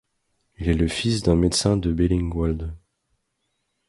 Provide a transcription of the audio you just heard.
Il est le fils d'un médecin de Bellingwolde.